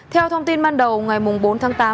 theo thông tin ban đầu ngày bốn tháng tám